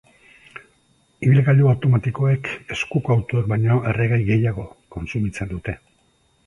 Ibilgailu automatikoek eskuko autoek baino erregai gehiago kontsumitzen dute.